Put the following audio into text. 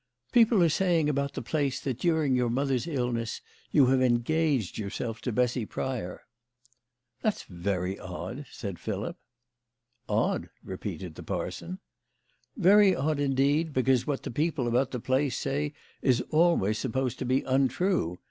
"People are saying about the place that during your mother's illness you have engaged yourself to Bessy Pryor." " That's very odd," said Philip. " Odd! " repeated the parson. "Yery odd indeed, because what the people about the place say is always supposed to be untrue.